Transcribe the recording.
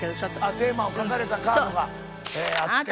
テーマを書かれたカードがあって。